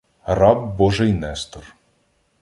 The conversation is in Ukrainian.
"раб Божий Нестор".